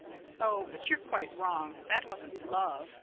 Oh, but you're quite wrong. That wasn't LOVE.